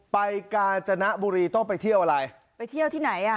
กาญจนบุรีต้องไปเที่ยวอะไรไปเที่ยวที่ไหนอ่ะ